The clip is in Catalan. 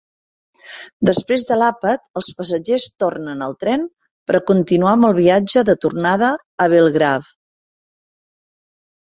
Després de l'àpat, els passatgers tornen al tren per continuar amb el viatge de tornada a Belgrave.